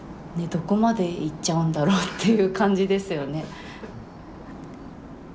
どこまでいっちゃうんだろうっていう感じですよね。